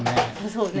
そうね。